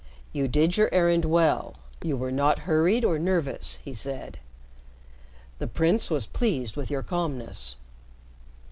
"You did your errand well. You were not hurried or nervous," he said. "The Prince was pleased with your calmness."